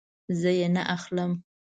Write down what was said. زه یی نه اخلم